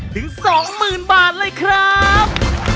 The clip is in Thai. ถึง๒๐๐๐บาทเลยครับ